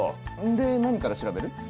で何から調べる？